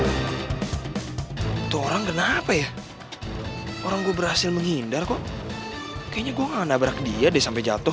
itu orang kenapa ya orang gue berhasil menghindar kok kayaknya gue gak nabrak dia deh sampai jatuh